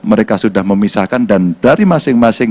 mereka sudah memisahkan dan dari masing masing